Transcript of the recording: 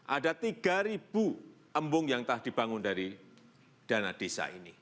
ada tiga embung yang telah dibangun dari dana desa ini